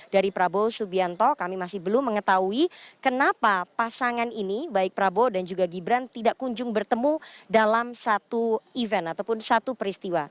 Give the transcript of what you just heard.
dari prabowo subianto kami masih belum mengetahui kenapa pasangan ini baik prabowo dan juga gibran tidak kunjung bertemu dalam satu event ataupun satu peristiwa